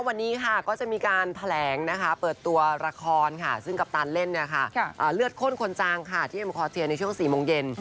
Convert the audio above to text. วันนี้ค่ะก็จะมีการแถลงนะคะเปิดตัวละครค่ะซึ่งกัปตันเล่นเลือดข้นคนจางค่ะที่เอ็มคอเซียในช่วง๔โมงเย็น